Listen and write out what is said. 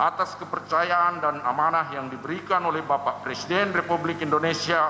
atas kepercayaan dan amanah yang diberikan oleh bapak presiden republik indonesia